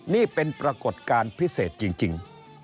นี่เป็นปรากฏการณ์พิเศษจริง